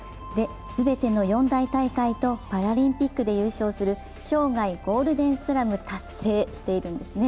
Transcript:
全ての四大大会とパラリンピックで優勝する、生涯ゴールデンスラムを達成しているんですね。